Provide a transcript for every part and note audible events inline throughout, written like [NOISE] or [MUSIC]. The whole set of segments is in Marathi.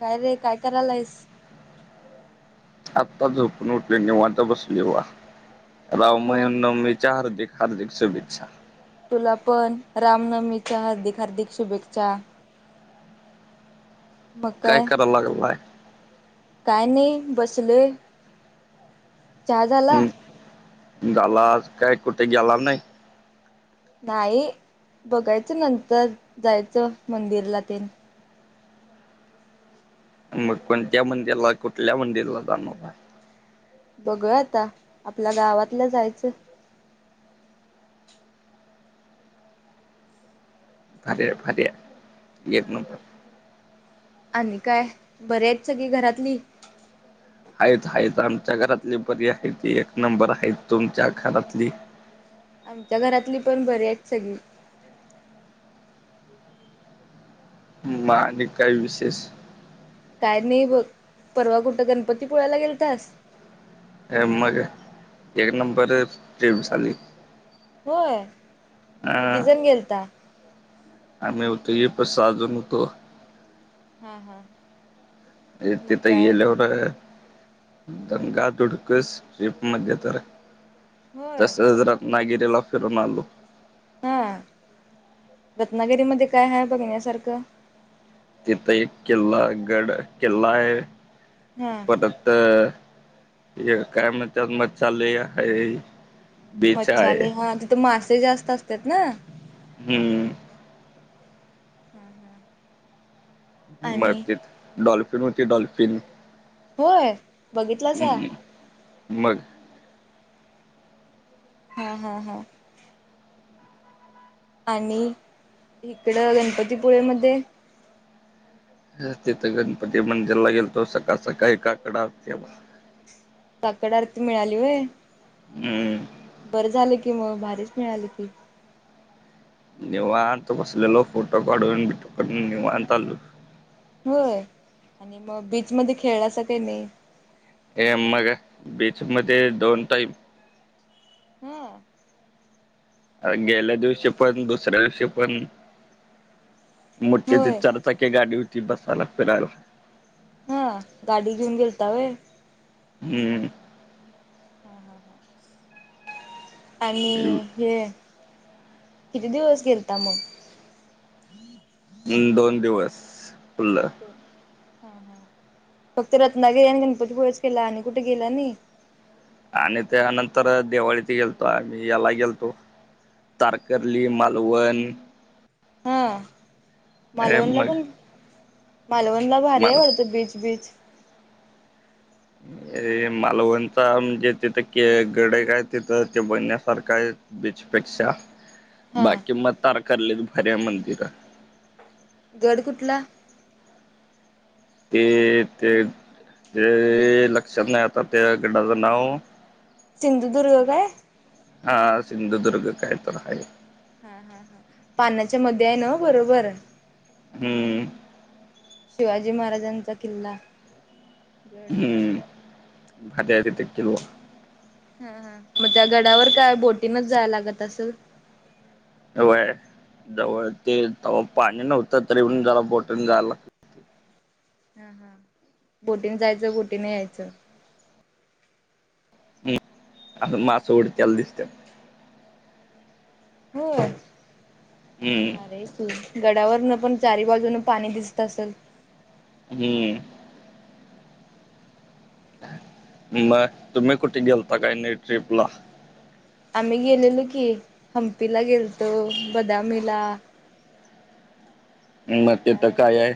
काय रे काय करालायस आत्ता झोपून उठलाेय निवांत बसलो बघा राम होय. नवमीच्या हार्दिक हार्दिक शुभेच्छा तुला पण रामनवमीच्या हार्दिक हार्दिक शुभेच्छा काय? कराय लागलय काय नाही बसलोय. चहा झाला? हम्म, झाला, आज काय कुठे गेला नाही? नाही बघायचं नंतर जायचं मंदिरला ते. मग कोणत्या मंदिरला कुठल्या मंदिरला जाणार आहेत? बघूया आता आपल्या गावातल्या जायचयं. भारीय, भारीय. हा हा आणि काय बरी आहेत सगळी घरातली? आहेत, आहेत आमच्या घरातली बरी आहेत ती एक नंबर आहेत, तुमच्या घरातली? आमच्या घरातली पण बरी आहेत सगळी. मा आणि काही विशेष? काय नाही बघ, परवा कुठं गणपती पुळ्यायला गेलतास? एक नंबर, एक नंबर देव झाले. होय, अं, किती जण गेलता? आम्ही होतो की मस सहा जण होतो. हां हां. एक तिथ गेल्यावर दंगा दुडकस लिफ्ट मध्ये जरा होय. तस जरा नागीरे लॉक करून आलो. हा रत्नागिरी मध्ये काय हाय बघण्यासारखं? तिथ एक किल्ला, गड किल्ला आहे हा परत तर काय म्हणतात मच्छ्या आनलया हे मच्छालय हा तिथं मासे जास्त असतात ना? हम्म. हम्म हम्म [INAUDIBLE] मग तीथ डॉल्फिन होती डॉल्फिन. होय. बघितलासा हम्म, मग हां हां हां. आणि इकडं गणपतीपुळे मध्ये? तिथं गणपती मंदिरला गेलतो सकाळ, सकाळी काकड आरती आहे म्हणून. काकड आरती मिळाली होय? हम्म. बरं झाल की मग भारीच मिळाली की. निवांत बसलेलो फोटो काढून, काढून निवांत आलो. होय, आणि मग बीच मध्ये खेळला असं काही नाही? ए मग बीच मध्ये दोन टाईम हम्म. गेल्या दिवशी पण दुसऱ्या दिवशी पण मोठीे ती होय चारचाकी गाडी होती बसायला फिरायला. हा गाडी घेऊन गेलता होय? हम्म. हा हा ह आणि हे किती दिवस गेलता मग? हम्म, दोन दिवस फुल्ल. हा हा फक्त रत्नागिरी आणि गणपतीपुळेच केला आणि कुठे गेला नही! आणि त्यानंतर दिवाळीत गेलतो आम्ही याला गेलतो. तारकर्ली, मालवण. हे मालवण ला मग पण, मालवणला भारीय मला वाटतं बीच बीच. अरे मालवणचा म्हणजे तिथं के गडे आहे काय तिथं ते बघण्यासारखा आहे. बीचपेक्षा हा बाकी म तारकर्ली त भर्या मंदिरं. गड कुठला? ते ते ते लक्षात नाही आता त्या गड्डाचं नाव. सिंधुदुर्ग काय? हा सिंधुदुर्ग काही तर आहे. पान्या च्या मध्ये आहे ना बरोबर. हूं! शिवाजी महाराजांचा किल्ला. गड हूं भात्यादी ते किलवा. हा हा मग त्या गडावर काय बोटीनच जाया लागत असल. वय जवळ ते तवा पाणी नव्हतं तरी हुन जरा बोटीन जायला लाग. बोटीन जायचं, बोटीन यायचं. हं आसं मासं उडतेला दिसत्या. हो हम्म भारी! गडावर न पण चारी बाजून पाणी दिसत असल. हूं! म तुम्ही कुठे गेलता काय नाही ट्रिप ला? आम्ही गेलेलो की हंम्मपीला गेलतो बदामीला. मग तिथं काय आहे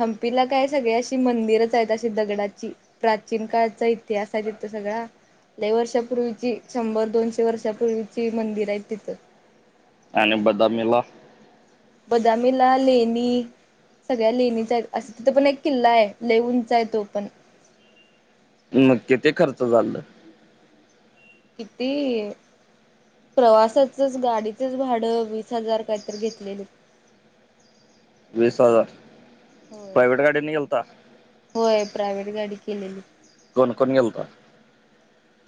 हंम्मपीला काय सगळी अशी मंदिरच आहेत, अशी दगडाची. प्राचीन काळचा इतिहास आहे तिथ सगळा. लयी वर्षा पूर्वीची, शंभर दोनशे वर्षापूर्वीची मंदिर आहे तीत. आणि बदामीला? बदामीला ला लेनी. सगळ्या लेणीच आहेत, असं तिथं पण एक किल्ला आहे, लय उंच आहे तो पण. मग किती खर्च झाल. किती? प्रवासाचच गाडीचच भाडं वीस हजार काहीतरी घेतलेले. वीस हजार होय प्रायवेट गाडीनी गेलता! होय प्रायव्हेट गाडी केलेली. कोण कोण गेलता?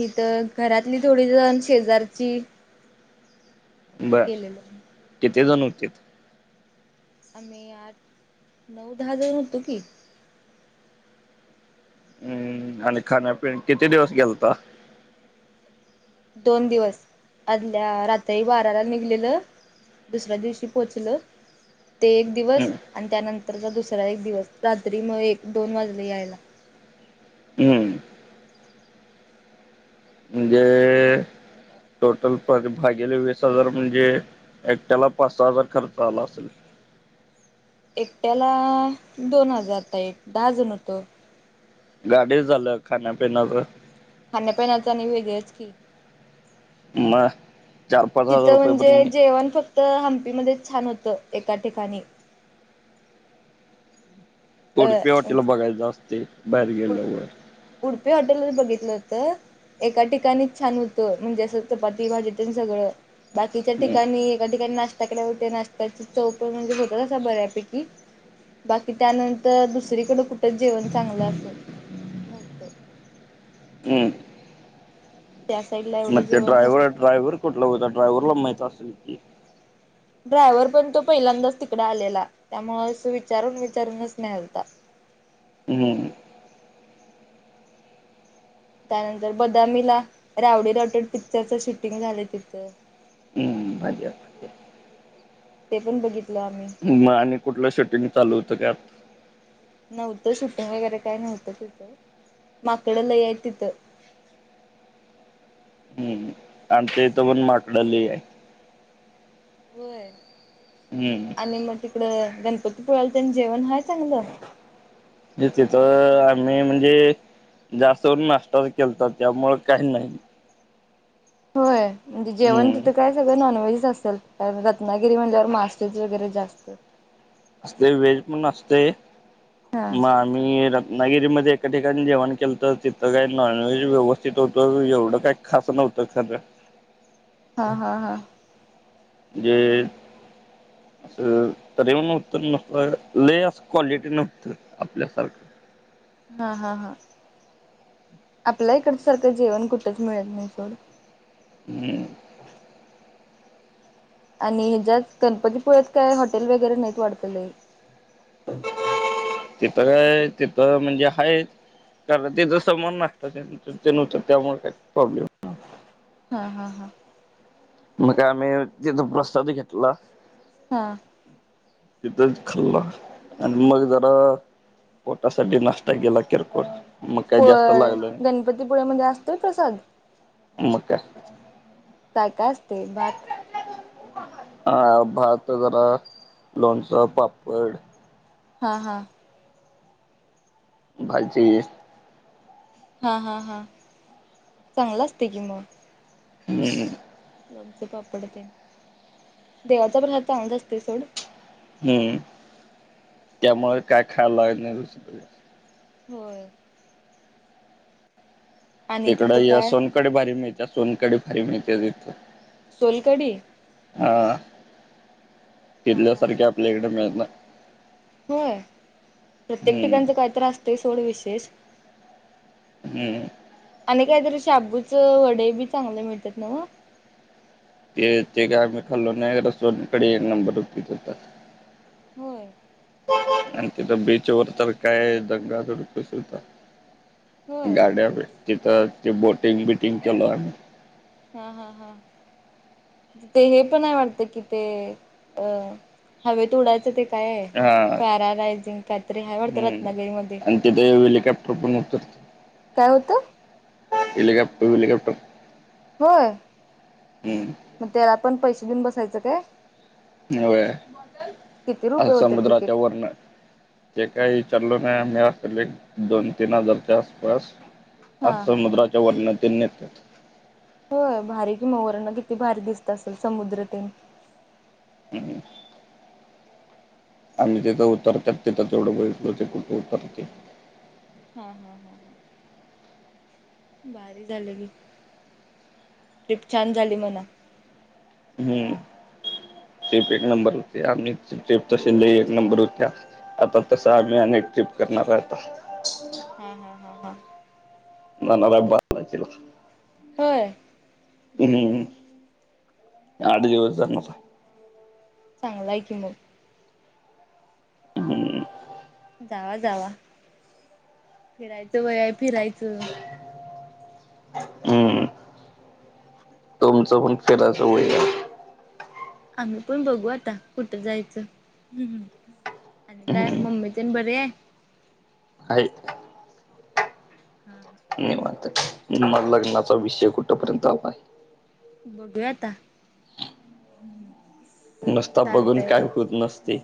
अ घरातली थोडी जण शेजारची. बरं गेलेलो किती जण होत्यात? आम्ही आठ नऊ दहा जण होतो की. हूं आणि खाण्यापिण किती दिवस गेलता. दोन दिवस आदल्या रात्री बाराला निघलेलं. दुसऱ्या दिवशी पोहोचलं ते. दिवस हम्म आणि त्यानंतरचा दुसरा एक दिवस, रात्री मग एक दोन वाजले यायला. हूं! म्हणजे! टोटल भागेले वीस हजार म्हणजे, एकट्याला पाच सहा हजार खर्च आला असेल. एकट्याला दोन हजारचा एक, दहा जण होतो. गाडी झालं खाण्यापिण्याच? खाण्यापिण्याचं आणि वेगळेच की. मग चार पाच हजार तिथं रुपये म्हणजे पण जेवण फक्त तर हंम्मपी मध्येच छान होतं एका ठिकाणी. उडपी हॉटेल अ बघायचं असतय, बाहेर गेल्यावर. उडपी हॉटेलच बघितलं होतं एका ठिकाणीच छान हुतं म्हणजे असं चपाती भाजीतेन सगळं बाकीच्या हम्म ठिकाणी एका काणी, नाश्ता केल्यावर नाष्ट्याची चव पण वेगळं असं बऱ्यापैकी. बाकी त्यानंतर दुसरीकडं कुठं जेवण चांगलं अस नव्हतं हम्म त्या साईडला एवढं मग ते जेवण ड्रायव्हर, नसतं. ड्रायव्हर कुठंला होता, ड्रायव्हरला माहित असेल की ड्रायव्हर पण तो पहिल्यांदाच तिकड आलेला त्यामुळं अस विचारून, विचारूनच नेलता. हम्म त्यानंतर बदामीला रावडी राठोड पिक्चरच शूटिंग झालंय तिथं. अच्छा ते पण बघितलं आम्ही म आणि कुठलं? शुटिंग चालू होतं त्यात? नव्हतं शूटिंग वगैरे काय नव्हतं तिथं, माकडं लई हाईत तिथं. हम्म, हम्मं आणि ते इथं पण माकड लई हाय. व्हयं हम्म आणि मग तिकड, गणपतीपुळ्याला त्येन जेवण हाय चांगलं? तिथं आम्ही म्हणजे, जास्त करून नाष्टाच केलता त्यामुळं काही नाही. होय, म्हणजे जेवण हम्म तिथं काय सगळ नॉनव्हेज असल, रत्नागिरी म्हणल्यावर मासं वगैरे जास्त ते व्हेज पण असतय हा मा आम्ही रत्नागिरीमध्ये एका ठिकाणी जेवण केलंत तिथं काय नॉनव्हेज व्यवस्थित होतं, एवढं काय खासं नव्हतं खरं हा, हा, हा जे असं, तरी नव्हत नस, लई अस क्वालिटी नव्हत, आपल्यासारखं. हा, हा, हा आपल्या इकडच्या सारखं जेवण कुठंच मिळत नाही सोड. हम्मं [UNINTELLIGIBLE] आणि ह्येज्यायात गणपतीपुळ्यात काय हॉटेल वगैरे नाहीत वाटतं लई तिथ काय तिथं म्हणजे हाय. कारण त्येच्या समोर नाश्ता तेन हुतीत त्यामुळे काय प्रॉब्लेम. हा, हा, हा म काय आम्ही तिथं प्रसाद घेतला. हां तिथंच खल्ला आणि मग जरा पोटासाठी नाश्ता केेला किरकोळ मग काय जास्त होय लागलं नाही गणपतीपुळेमध्ये असतोय प्रसाद? मग काय काय काय असतय भात? हा. भात जरा लोणचं, पापड. हां. हां. भाजी. हा हा हा. चांगल असतय की म. हम्म. लोणचं, पापड तेन. देवाचा [UNINTELLIGIBLE] चांगल असतय सोड. हम्म. त्यामुळे काय खायला लागत नाही दुसरीकडं. होय. आणि तिकड तिथं या काय सोलकढी भारी मिळतया. सोनकढी भारी मिळते तिथे. सोलकढी? हां. हा हा तिथल्यासारखी आपल्याइकडे मिळत नाही. व्हय? प्रत्येक हम्म ठिकाणच काहीतर असतय सोड विशेष. हम्म. आणि काहीतरी शाबूचं वडे बी चांगले मिळतात नव्ह? ते ते काय आम्ही खाल्लो नाय. रस्तोरंट कडे [UNINTELLIGIBLE] होय. आणि तिथं बीचवर तर काय? [UNINTELLIGIBLE] कसं होता होय गाड्या हेत तिथ ते बोटींग बिंटींग केल आम्ही. हा हा हा. म ते हे पण ए वाटत तिथे. ते अ हवेत उडायचं ते- काय? हा पॅरालायझिंग काहीतरी हाय वाटतं हम्म रत्नागिरी मधे. आणि तिथे हेलिकॉप्टर पण उतरत काय होतं? हेलिकॉप्टर. हलिकॉप्टर. होय? हम्म मग त्याला आपण पैसे देऊन बसायचं का? होय. अस होते तिकीट? समुद्राच्या वरन. ते काही विचारल नाही आम्ही. असले एक दोन तीन हजारच्या आसपास. हा. अस समुद्राच्या वरन ते नेत. होय? भारी कि म वरन किती भारी दिसत असेल समुद्रतेन. हम्म. आणि जिथं उतरतात तिथं तेवढं बसलो ते कुठं उतरते. हा हां हां हां. भारी झालं की. ट्रिप छान झाली म्हणा. हम्म. एक एक नंबर होते. आम्हीच तसेही एक नंबर होत्या. आता तस आम्ही अनेक ट्रिप करणार आहे आता. हां. हां. हां. हां. होय बरं आहे मग [UNINTELLIGIBLE] आठ दिवस [UNINTELLIGIBLE] चांगलय की मग. हम्म. जावा जावा. फिरायचं वय आहे फिरायचं. हम्म तुमचं पण फिरायचं वय ए. आम्ही पण बघू आता कुठं जायचं? आणि काय? मम्मी तेन बरे ए? आहे. हा. हा निवांत माल लग्नाचा विषय कुठपर्यंत [UNINTELLIGIBLE] आहे? बघूया आता हम्म. नसता बघून काय होत नसते.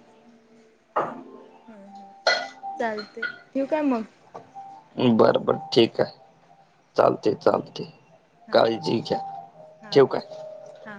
हम्म हम्म चालतोय ठेवू काय मग? बरं बरं ठीक आहे चालते चालते. हा काळजी घ्या हा ठेवू काय हा हा.